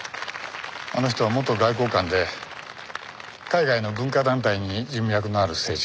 あの人は元外交官で海外の文化団体に人脈のある政治家だからね。